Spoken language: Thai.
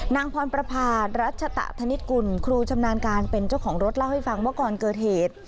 นางพรประพารัชตะธนิษฐกุลครูชำนาญการเป็นเจ้าของรถเล่าให้ฟังว่าก่อนเกิดเหตุ